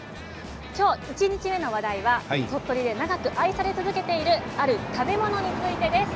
今日、１日目の話題は鳥取で長く愛され続けているある食べ物についてです。